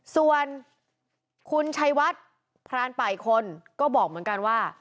ส่วนคุณชัยวัดพรานป่ายคนก็บอกเหมือนกันว่า